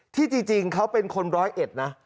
ที่จริงเขาเป็นคนร้อยเอ็ดนะ